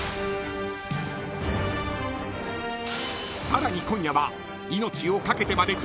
［さらに今夜は］